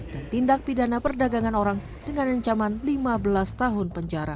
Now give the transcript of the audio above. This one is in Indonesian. dan tindak pidana perdagangan orang dengan ancaman lima belas tahun